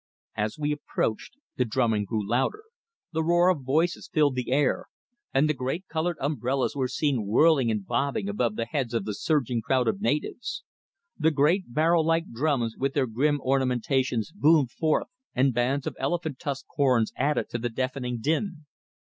As we approached the drumming grew louder, the roar of voices filled the air, and the great coloured umbrellas were seen whirling and bobbing above the heads of the surging crowd of natives. The great barrel like drums, with their grim ornamentations, boomed forth, and bands of elephant tusk horns added to the deafening din.